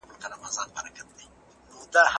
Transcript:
د پوهنې په برخه کي همکاري د ځوانانو لپاره ګټوره ده.